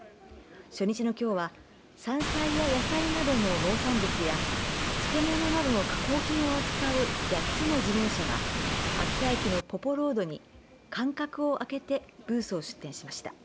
初日のきょうは山菜や野菜などの農産物や漬物などの加工品を扱う８つの事業者が秋田駅のぽぽろーどに間隔をあけてブースを出展しました。